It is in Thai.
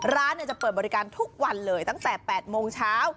ร้านจะเปิดบริการทุกวันเลยตั้งแต่๘โมงเช้า